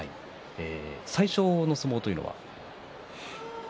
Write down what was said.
最初の相撲というのは？